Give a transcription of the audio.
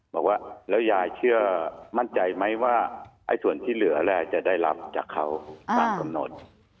บอกว่าแล้วยายเชื่อมั่นใจไหมว่าส่วนที่เหลือจะได้รับจากเขาตามกำหนด